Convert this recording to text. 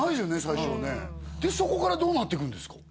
最初はねでそこからどうなっていくんですか？